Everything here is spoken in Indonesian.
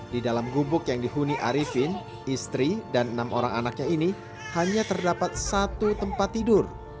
di dalam gubuk yang dihuni arifin istri dan enam orang anaknya ini hanya terdapat satu tempat tidur